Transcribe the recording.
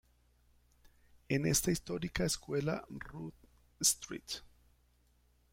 En esta histórica escuela Ruth St.